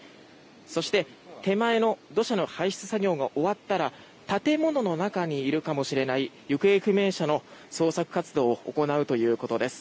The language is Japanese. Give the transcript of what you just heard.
そして手前の土砂の搬出作業が終わったら建物の中にいるかもしれない行方不明者の捜索活動を行うということです。